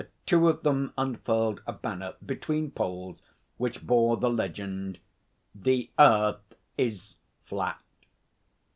Two of them unfurled a banner between poles which bore the legend: 'The Earth is flat.'